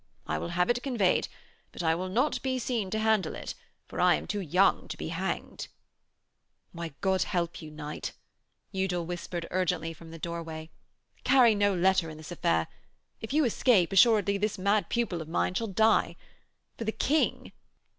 I will have it conveyed, but I will not be seen to handle it, for I am too young to be hanged.' 'Why, God help you, knight,' Udal whispered urgently from the doorway, 'carry no letter in this affair if you escape, assuredly this mad pupil of mine shall die. For the King